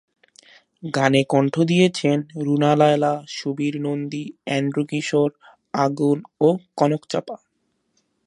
গানে কণ্ঠ দিয়েছেন রুনা লায়লা, সুবীর নন্দী, এন্ড্রু কিশোর, আগুন ও কনক চাঁপা।